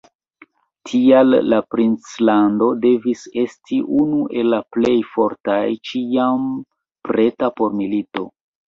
Tial la princlando devis esti unu el la plej fortaj, ĉiam preta por milito.